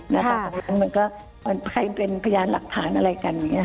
ในตัวนั้นมันก็ใครเป็นพยานหลักฐานอะไรกัน